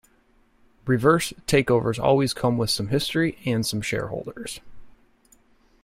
Reverse takeovers always come with some history and some shareholders.